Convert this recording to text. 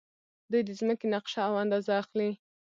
دوی د ځمکې نقشه او اندازه اخلي.